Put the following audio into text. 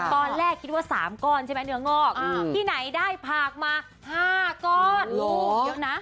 ตอนแรกคิดว่า๓ก้อนเนื้องอกที่ไหนได้ผากมา๕ก้อน